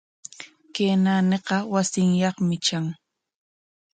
Kay naaniqa wasinyaqmi tran.